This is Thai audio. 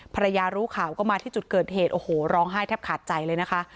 ภรรยารู้ข่าวก็มาที่จุดเกิดเหตุโอ้โหร้องไห้แทบขาดใจเลยนะคะ